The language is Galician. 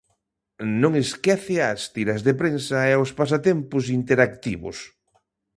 Non esquece as tiras de prensa e os pasatempos interactivos.